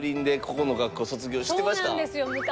そうなんですよ昔。